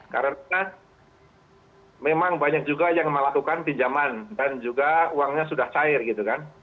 karena memang banyak juga yang melakukan pinjaman dan juga uangnya sudah cair gitu kan